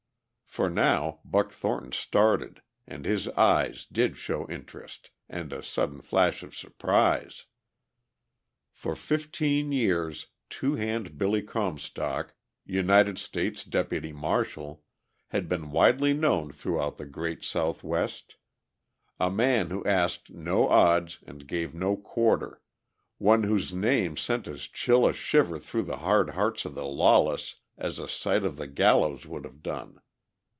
For now Buck Thornton started and his eyes did show interest and a sudden flash of surprise. For fifteen years Two Hand Billy Comstock, United States Deputy Marshal, had been widely known throughout the great South west, a man who asked no odds and gave no quarter, one whose name sent as chill a shiver through the hard hearts of the lawless as a sight of the gallows would have done.